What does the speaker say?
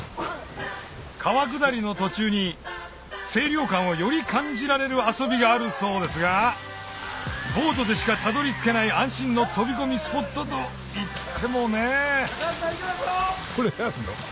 川下りの途中に清涼感をより感じられる遊びがあるそうですがボートでしかたどり着けない安心の飛び込みスポットといってもねこれやるの？